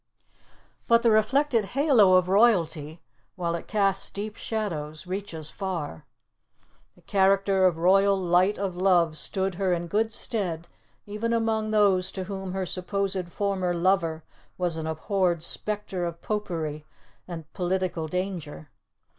But the reflected halo of royalty, while it casts deep shadows, reaches far. The character of royal light of love stood her in good stead, even among those to whom her supposed former lover was an abhorred spectre of Popery and political danger.